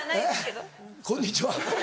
えっこんにちは。